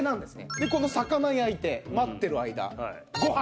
でこの魚焼いて待ってる間ご飯。